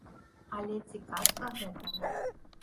Але ці казка гэта?